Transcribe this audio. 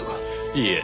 いいえ。